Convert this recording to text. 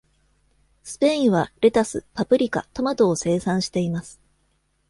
スペインはレタス、パプリカ、トマトを生産しています。